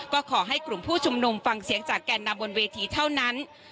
ก็ขอให้กลุ่มผู้ชุมนุมฟังเสียงจากแก่นนำบนเวทีเท่านั้น